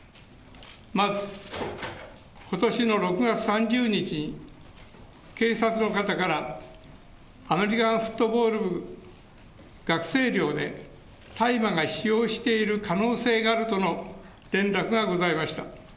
まず、ことしの６月３０日に、警察の方からアメリカンフットボール部学生寮で大麻が使用している可能性があるとの連絡がございました。